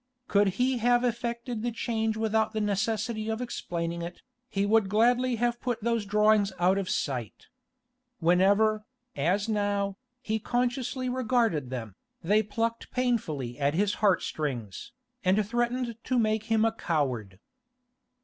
Could he have effected the change without the necessity of explaining it, he would gladly have put those drawings out of sight. Whenever, as now, he consciously regarded them, they plucked painfully at his heart strings, and threatened to make him a coward.